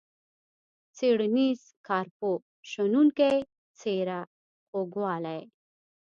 څیړنیز، کارپوه ، شنونکی ، څیره، خوږوالی.